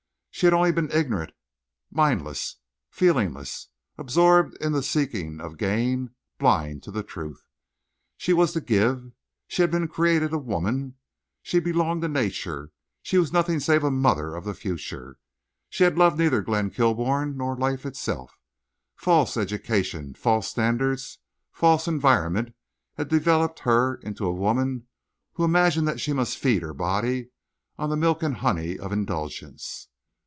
She had only been ignorant, mindless, feelingless, absorbed in the seeking of gain, blind to the truth. She had to give. She had been created a woman; she belonged to nature; she was nothing save a mother of the future. She had loved neither Glenn Kilbourne nor life itself. False education, false standards, false environment had developed her into a woman who imagined she must feed her body on the milk and honey of indulgence.